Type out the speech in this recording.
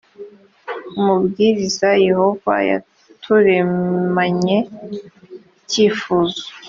umubwiriza yehova yaturemanye ikifuzo